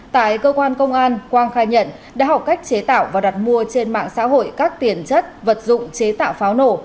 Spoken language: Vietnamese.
tại cơ quan công an quang khai nhận đã học cách chế tạo và đặt mua trên mạng xã hội các tiền chất vật dụng chế tạo pháo nổ